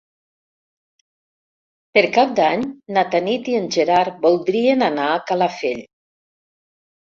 Per Cap d'Any na Tanit i en Gerard voldrien anar a Calafell.